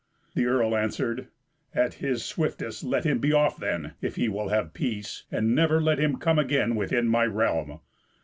The earl answered, "At his swiftest let him be off then, if he will have peace, and never let him come again within mv realm."